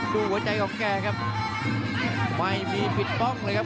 ดูหัวใจของแกครับไม่มีปิดป้องเลยครับ